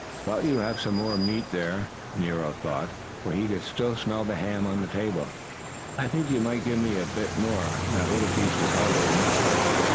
"But you have some more meat there," Nero thought on, for he could still smell the ham on the table. "I think you might give me a bit more. That little piece was hardly enough."